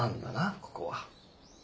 ここは。